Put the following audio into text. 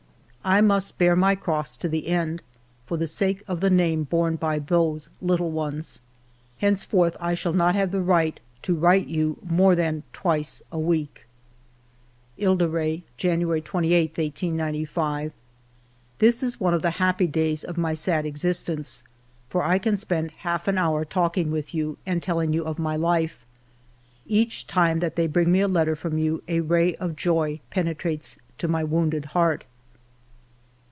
I must bear my cross to the end, for the sake of the name borne by those little ones. ..." Henceforth I shall not have the right to write to you more than twice a week.'* ..." Ile de Re, January 28, 1895. " This is one of the happy days of my sad ex istence, for I can spend half an hour talking with you and telling you of my life. Each time that they bring me a letter from you a ray of joy penetrates to my wounded heart.